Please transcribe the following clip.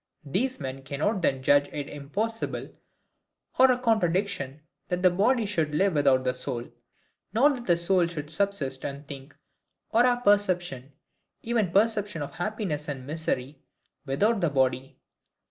These men cannot then judge it impossible, or a contradiction, that the body should live without the soul; nor that the soul should subsist and think, or have perception, even perception of happiness or misery, without the body.